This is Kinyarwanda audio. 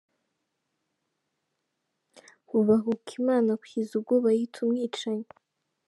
Bubahuka Imana kugeza ubwo bayita umwicanyi’.